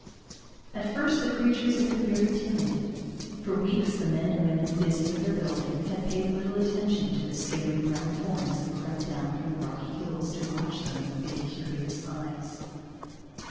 At first the creatures had been very timid. For weeks the men and women, busy with their building, had paid little attention to the skittering brown forms that crept down from the rocky hills to watch them with big, curious eyes.